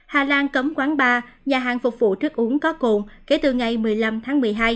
hà lan cấm quán bar nhà hàng phục vụ thức uống có cồn kể từ ngày một mươi năm tháng một mươi hai